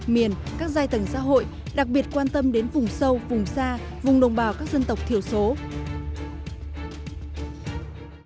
miền các giai tầng xã hội đặc biệt quan tâm đến vùng sâu vùng xa vùng đồng bào các dân tộc thiểu số